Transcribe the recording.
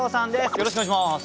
よろしくお願いします。